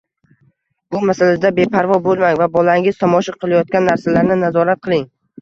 Bu masalada beparvo bo‘lmang va bolangiz tomosha qilayotgan narsalarni nazorat qiling.